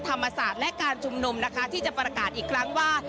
ธรรมศาสตร์และการชุมนุมนะคะที่จะประกาศอีกครั้งว่า